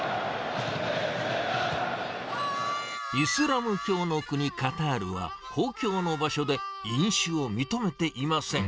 イスラム教の国、カタールは公共の場所で飲酒を認めていません。